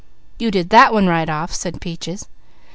"You did that one right off," said Peaches.